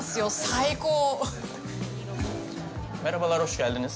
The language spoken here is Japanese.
最高。